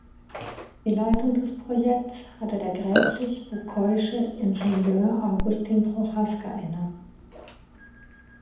Die Leitung des Projekts hatte der gräflich-bucquoysche Ingenieur Augustin Prochaska inne.